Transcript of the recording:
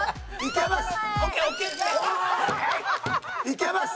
いけます！